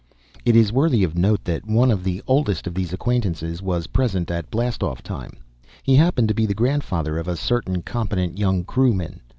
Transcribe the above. It is worthy of note that one of the oldest of these acquaintances was present at blast off time. He happened to be the grandfather of a certain competent young crewman.